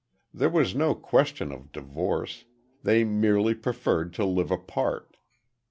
There was no question of divorce, they merely preferred to live apart.